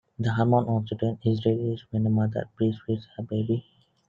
The hormone oxytocin is released when a mother breastfeeds her baby.